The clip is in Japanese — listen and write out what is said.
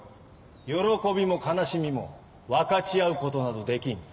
喜びも悲しみも分かち合うことなどできん。